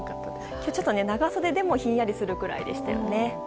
今日ちょっと長袖でもひんやりするぐらいでしたよね。